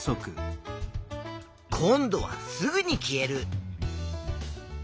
今度はすぐに消える。